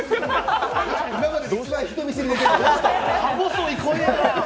今までで一番人見知りや。